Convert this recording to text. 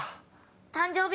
誕生日